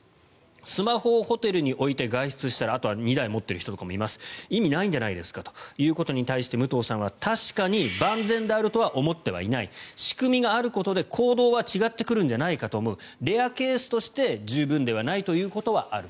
スマホをホテルに置いて外出したらあとは２台持っている人とかもいるので意味ないんじゃないかということに対して武藤さんは、確かに万全であるとは思ってはいない仕組みがあることで行動は違ってくるんじゃないかと思うレアケースとして十分でないということはある。